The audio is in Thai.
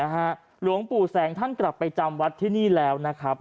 หลวงปู่แสงท่านกลับไปจำวัดที่นี่แล้วนะครับ